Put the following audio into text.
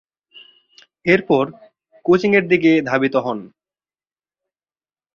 এরপর কোচিংয়ের দিকে ধাবিত হন।